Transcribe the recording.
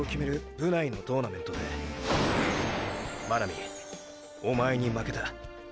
部内のトーナメントで真波おまえに負けた。